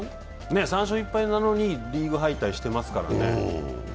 ３勝１敗なのにリーグ敗退してますからね。